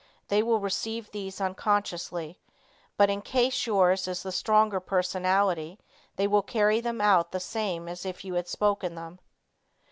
They will receive these unconsciously, but in case yours is the stronger personality they will carry them out the same as if you had spoken them.